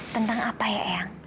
tentang apa ya eang